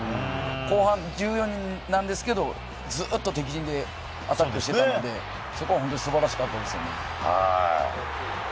後半１４人なんですけれど、ずっと敵陣でアタックしていたので、そこは素晴らしかったです。